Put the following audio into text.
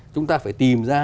chúng ta phải tìm ra